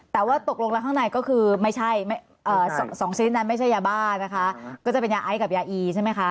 แต่ว่าตกลงแล้วข้างในก็คือไม่ใช่๒ชิ้นนั้นไม่ใช่ยาบ้านะคะก็จะเป็นยาไอซ์กับยาอีใช่ไหมคะ